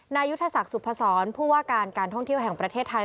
นายุทธศักดิ์สุพศรผู้ว่าการการท่องเที่ยวแห่งประเทศไทย